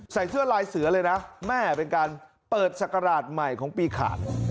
ใส่เสื้อลายเสือเลยนะแม่เป็นการเปิดศักราชใหม่ของปีขาด